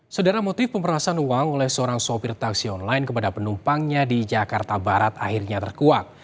saudara motif pemerasan uang oleh seorang sopir taksi online kepada penumpangnya di jakarta barat akhirnya terkuak